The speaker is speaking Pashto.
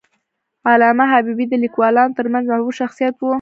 علامه حبیبي د لیکوالانو ترمنځ محبوب شخصیت و.